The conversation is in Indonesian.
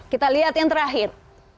kita lihat yang terakhir